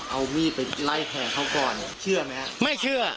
เอามีดไปไล่แทงเขาก่อนเชื่อไหมครับไม่เชื่อ